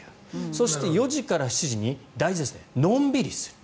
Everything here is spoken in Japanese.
そして、４時から７時に大事です、のんびりする。